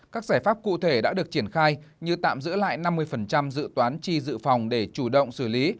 các giải pháp cụ thể đã được triển khai như tạm giữ lại năm mươi dự toán chi dự phòng để chủ động xử lý